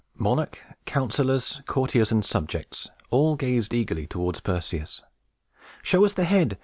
Monarch, counselors, courtiers, and subjects, all gazed eagerly towards Perseus. "Show us the head!